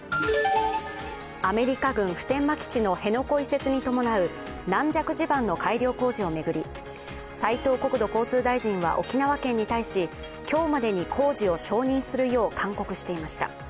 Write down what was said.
アメリカ軍普天間基地の辺野古移設に伴う軟弱地盤の改良工事を巡り、斉藤国土交通大臣は沖縄県に対し今日までに工事を承認するよう勧告していました。